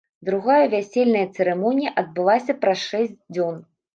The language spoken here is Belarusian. Другая вясельная цырымонія адбылася праз шэсць дзён.